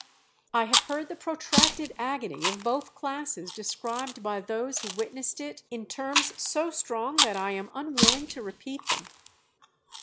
I have heard the protracted agony of both classes described by those who witnessed it in terms so strong, that I am unwilling to repeat them."...